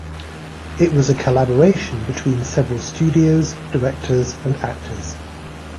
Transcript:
It was a collaboration between several studios, directors and actors.